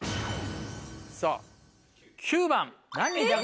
さぁ９番。